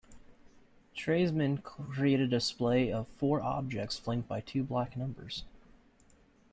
Treisman created a display of four objects flanked by two black numbers.